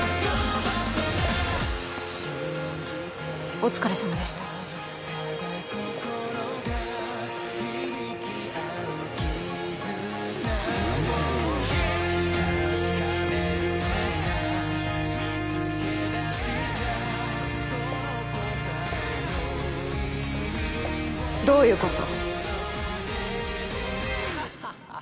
お疲れさまでしたどういうこと？